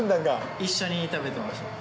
一緒に食べてました。